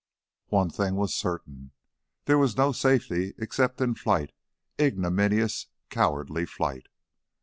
One thing was certain, there was no safety except in flight, ignominious, cowardly flight...